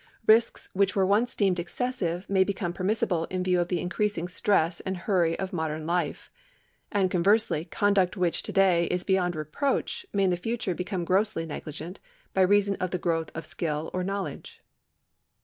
Risks which were once deemed excessive may become permissible in view of the increasing stress and hurry of modern life, and conversely conduct which to day is beyond reproach may in the future become grossly negligent by reason of the growth of skill or knowledge.